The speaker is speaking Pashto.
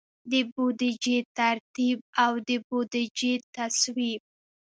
د بودیجې ترتیب او د بودیجې تصویب.